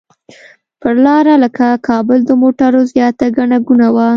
پر لاره لکه کابل د موټرو زیاته ګڼه ګوڼه وه.